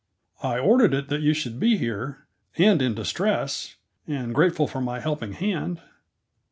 I ordered it that you should be here, and in distress, and grateful for my helping hand."